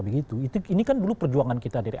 begitu ini kan dulu perjuangan kita dari